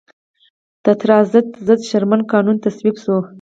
د ټراست ضد شرمن قانون تصویب شو.